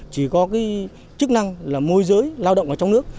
chỉ có cái chức năng là môi giới lao động ở trong nước